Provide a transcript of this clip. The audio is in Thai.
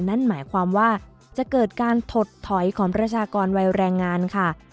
นั่นหมายความว่าจะเกิดการถดถอยของประชากรวัยแรงงานค่ะ